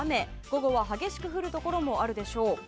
午後は激しく降るところもあるでしょう。